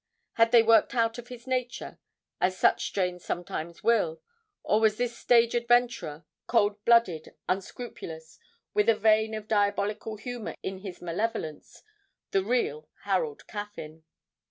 Had they worked out of his nature, as such strains sometimes will, or was this stage adventurer, cold blooded, unscrupulous, with a vein of diabolical humour in his malevolence, the real Harold Caffyn?